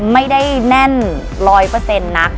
ไม่ได้แน่น๑๐๐นัก